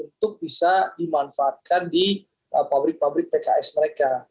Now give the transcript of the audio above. untuk bisa dimanfaatkan di pabrik pabrik pks mereka